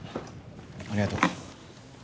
ありがとう。